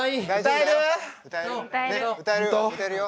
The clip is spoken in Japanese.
歌えるよ。